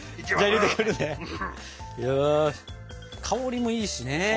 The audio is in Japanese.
香りもいいしね。